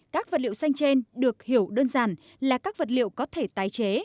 các vật liệu xanh trên được hiểu đơn giản là các vật liệu có thể tái chế